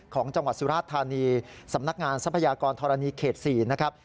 ของจังหวัดสุราชธานีสำนักงานทรัพยากรธรณีเขต๔นะครับ